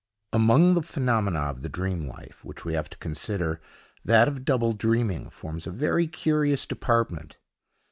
AMONG the phenomena of the dream life which we have to consider, that of double dreaming forms a very curious department.